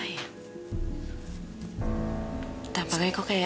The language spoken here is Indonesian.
ya baik bu